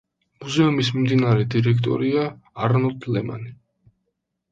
მუზეუმის მიმდინარე დირექტორია არნოლდ ლემანი.